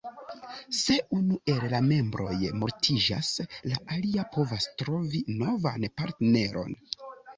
Se unu el la membroj mortiĝas, la alia povas trovi novan partneron.